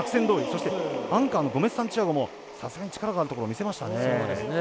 そして、アンカーのゴメスサンティアゴもさすがに力があるところを見せましたね。